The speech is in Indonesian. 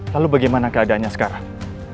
lalu bagaimana keadaannya sekarang